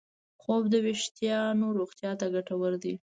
خوب د وېښتیانو روغتیا ته ګټور دی.